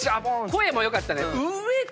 声も良かったね。